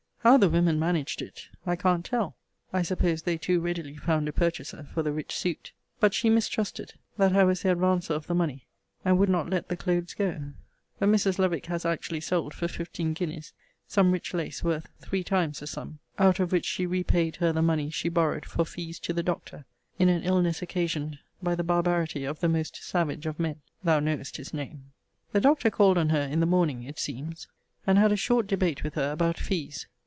How the women managed it I can't tell, (I suppose they too readily found a purchaser for the rich suit;) but she mistrusted, that I was the advancer of the money; and would not let the clothes go. But Mrs. Lovick has actually sold, for fifteen guineas, some rich lace worth three times the sum; out of which she repaid her the money she borrowed for fees to the doctor, in an illness occasioned by the barbarity of the most savage of men. Thou knowest his name! The Doctor called on her in the morning it seems, and had a short debate with her about fees.